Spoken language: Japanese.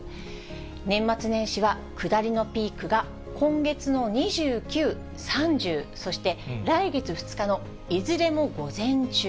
年末年始は下りのピークが今月の２９、３０、そして来月２日のいずれも午前中。